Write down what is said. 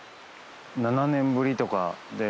７年ぶりとかで。